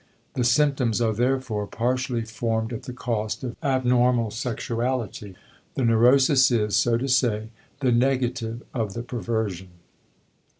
The symptoms are therefore partially formed at the cost of abnormal sexuality. _The neurosis is, so to say, the negative of the perversion.